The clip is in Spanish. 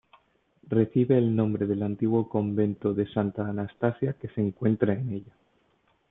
Recibe el nombre del antiguo convento de Santa Anastasia que se encuentra en ella.